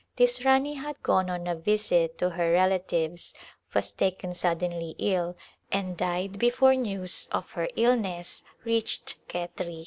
This Rani had gone on a visit to her relatives, was taken sud denly ill and died before news of her illness reached Khetri.